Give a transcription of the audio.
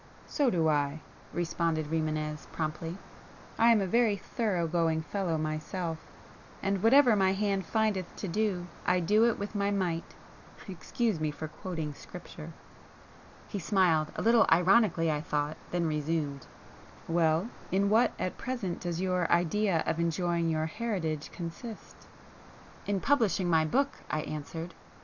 "So do I!" responded Rimânez promptly. "I am a very thorough going fellow myself, and whatever my hand findeth to do, I do it with my might!—excuse me for quoting Scripture!" He smiled, a little ironically I thought, then [p 61] resumed—"Well, in what, at present does your idea of enjoying your heritage consist?" "In publishing my book," I answered.